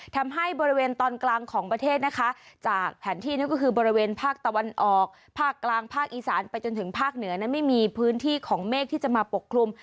ทำให้บริเวณตอนกลางของประเทศนะคะจากแผนที่นั่นก็คือบริเวณภาคตะวันออกภาคกลางภาคอีสานไปจนถึงภาคเหนือนั้นไม่มีพื้นที่ของเมฆที่จะมาปกคลุม